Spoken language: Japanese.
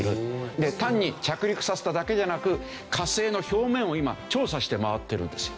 で単に着陸させただけじゃなく火星の表面を今調査して回ってるんですよ。